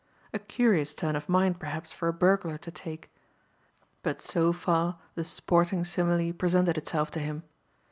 A curious turn of mind, perhaps, for a burglar to take. But so far the sporting simile presented itself to him.